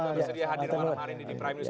sudah bersedia hadir malam hari ini di prime news